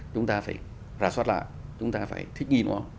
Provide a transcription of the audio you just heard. chúng ta phải rà soát lại chúng ta phải thích nghi nó